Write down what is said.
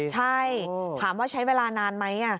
ใช่ถามว่าใช้เวลานานไหม